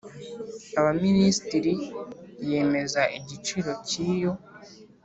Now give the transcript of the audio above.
Abaminisitiri yemeza igiciro cy iyo